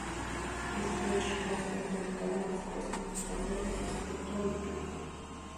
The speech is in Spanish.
Este hecho puede estar conectado a la supuesta magia de y su aspecto lupino.